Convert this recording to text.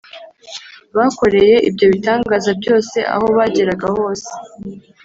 bakoreye ibyo bitangaza byose aho bageraga hose